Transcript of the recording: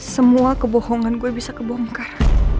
semua kebohongan gue bisa kebongkar